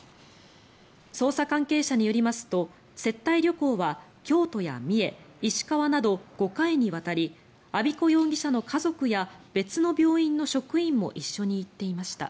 捜査関係者によりますと接待旅行は京都や三重、石川など５回にわたり安彦容疑者の家族や別の病院の職員も一緒に行っていました。